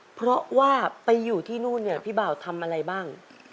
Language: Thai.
เพราะว่าไปอยู่ที่นู่นเนี่ยพี่บ่าวทำอะไรบ้าง